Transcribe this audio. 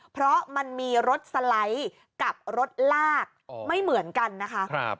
เพราะมันมีรถสไลด์กับรถลากไม่เหมือนกันนะคะ